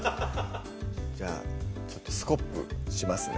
じゃあちょっとスコップしますね